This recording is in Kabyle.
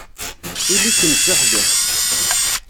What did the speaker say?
Ili-kem d tuḥdiqt.